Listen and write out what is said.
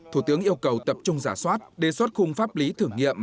thủ tướng yêu cầu tập trung giả soát đề xuất khung pháp lý thử nghiệm